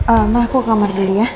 emang aku ke kamar sendiri ya